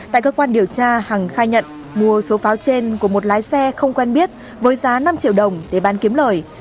tại cơ quan điều tra hằng khai nhận mua số pháo trên của một lái xe không quen biết với giá năm triệu đồng để bán kiếm lời